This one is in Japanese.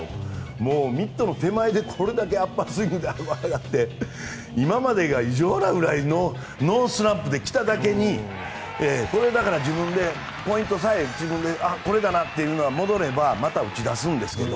もうミットの手前でこれだけアッパースイングで今までが異常なぐらいのノースランプで来ただけにこれ、だから自分でポイントさえ自分で、これだなというのが戻ればまた打ち出すんですけど。